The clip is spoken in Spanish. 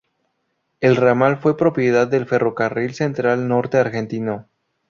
El ramal fue propiedad del Ferrocarril Central Norte Argentino.